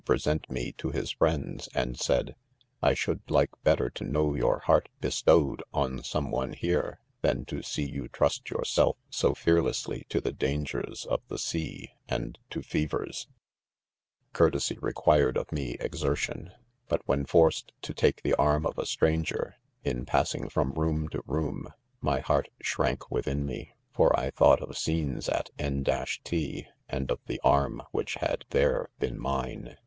present me to his friends, 'and said .' "I should like' better to; know your heart bestowed, on someone kere^ than to see you trust yourself, so fearlessly, to .the dan« gers of the sea and to fevers* 5 *.< Courtesy .ireflnirei P f TO $*?r$W'$ fotf ^he?i forced to tafce the arm pf a stranger, 1$ passing from room to rpqm,, my h/eart.^lixank within me i 'fpt I thought of scenes at If t r sndpfthpfrm whjc|i had there, h4en mine.